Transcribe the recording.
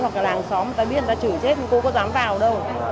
cô có dám vào đâu